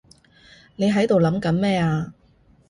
你喺度諗緊咩啊？